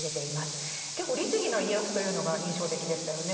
結構律義な家康というのが印象的でしたよね。